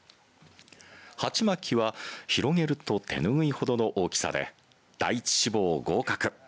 鉢巻きは広げると手拭いほどの大きさで第一志望合格